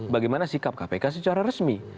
bagaimana sikap kpk secara resmi